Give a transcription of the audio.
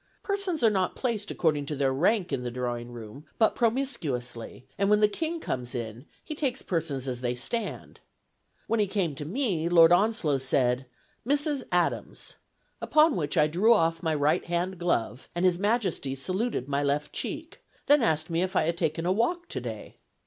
Persons are not placed according to their rank in the drawing room, but promiscuously; and when the King comes in, he takes persons as they stand. When he came to me, Lord Onslow said, 'Mrs. Adams'; upon which I drew off my right hand glove, and his Majesty saluted my left cheek; then asked me if I had taken a walk today.